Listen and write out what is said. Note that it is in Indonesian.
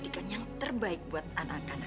seorang yang mu gadis atau ibu